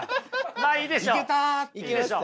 まあいいでしょう。